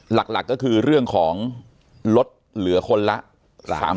หลักก็คือเรื่องของรถเหลือคนละ๓เล่ม